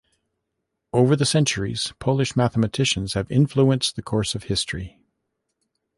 Over the centuries, Polish mathematicians have influenced the course of history.